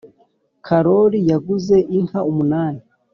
karori yaguze inka umunani